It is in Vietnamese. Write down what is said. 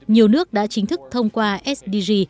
nhiều nước đã chính thức thông qua sdg